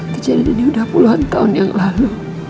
kejadian ini sudah puluhan tahun yang lalu